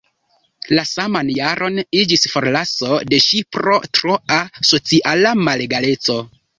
La saman jaron iĝis forlaso de ŝi pro troa sociala malegaleco.